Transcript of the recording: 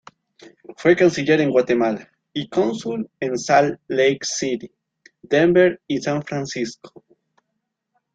Fue canciller en Guatemala y cónsul en Salt Lake City, Denver y San Francisco.